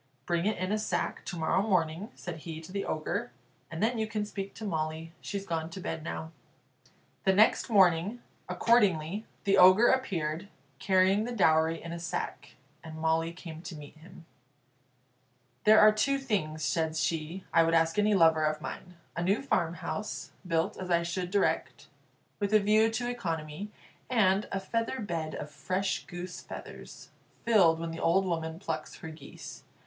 "Bring it in a sack to morrow morning," said he to the Ogre, "and then you can speak to Molly; she's gone to bed now." The next morning, accordingly, the Ogre appeared, carrying the dowry in a sack, and Molly came to meet him. "There are two things," said she, "I would ask of any lover of mine: a new farmhouse, built as I should direct, with a view to economy; and a feather bed of fresh goose feathers, filled when the old woman plucks her geese.